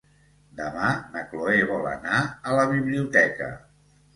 Demà na Chloé vol anar a la biblioteca.